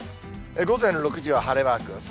午前６時は晴れマーク。